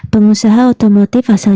pengusaha otomotif asal